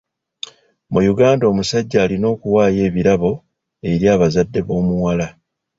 Mu Uganda omusajja alina okuwayo ebirabo eri abazadde b'omuwala.